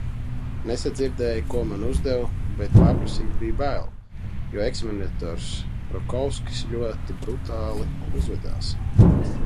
Nesadzirdēju, ko man uzdeva, bet pārprasīt bija bail, jo eksaminators Pokrovskis ļoti brutāli uzvedās.